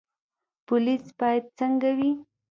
پولیس باید څنګه وي؟